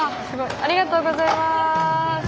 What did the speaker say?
ありがとうございます！